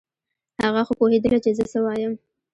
هغه خو پوهېدله چې زه څه وایم.